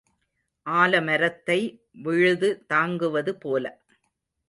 ஆலமரத்தை விழுது தாங்குவது போல.